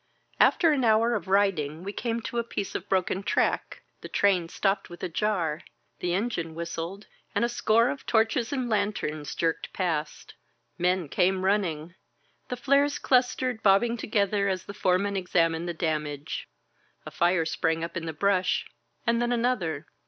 After an hour of riding we came to a piece of broken track. The train stopped with a jar, the engine whistled, and a score of torches and lanterns jerked past. Men came running. The flares clustered bobbing together as the foremen examined the damage. A fire sprang up in the brush, and then another.